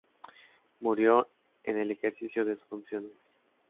Murió en el ejercicio de sus funciones.